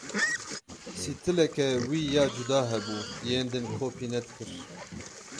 Stîleke wî ya cuda hebû, yên din kopî nedikir.